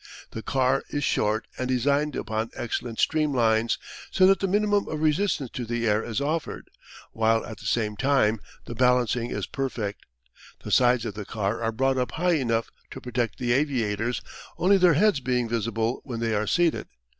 The car is short and designed upon excellent stream lines, so that the minimum of resistance to the air is offered, while at the same time the balancing is perfect. The sides of the car are brought up high enough to protect the aviators, only their heads being visible when they are seated.